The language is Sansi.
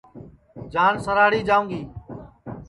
جان سراڑھی جاوں گی